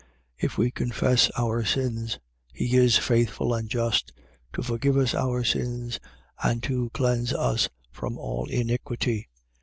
1:9. If we confess our sins, he is faithful and just, to forgive us our sins and to cleanse us from all iniquity.